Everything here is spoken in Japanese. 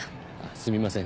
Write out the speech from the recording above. すみません